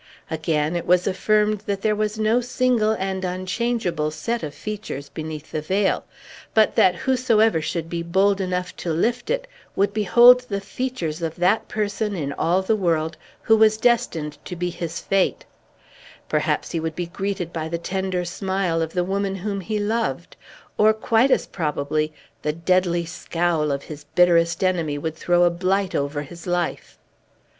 Again, it was affirmed that there was no single and unchangeable set of features beneath the veil; but that whosoever should be bold enough to lift it would behold the features of that person, in all the world, who was destined to be his fate; perhaps he would be greeted by the tender smile of the woman whom he loved, or, quite as probably, the deadly scowl of his bitterest enemy would throw a blight over his life.